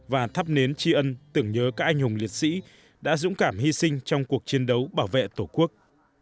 và thắp nến tri ân tưởng nhớ các anh hùng liệt sĩ đã dũng cảm hy sinh trong cuộc chiến đấu bảo vệ tổ quốc